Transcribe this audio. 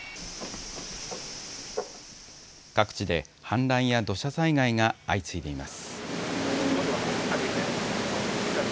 各地で氾濫や土砂災害が相次いでいます。